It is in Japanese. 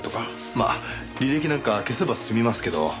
まあ履歴なんか消せば済みますけど。